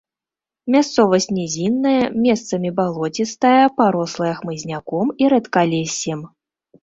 Мясцовасць нізінная, месцамі балоцістая, парослая хмызняком і рэдкалессем.